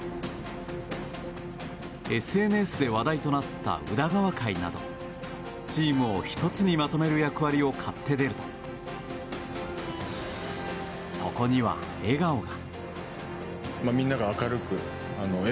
ＳＮＳで話題となった宇田川会などチームを１つにまとめる役割を買って出るとそこには笑顔が。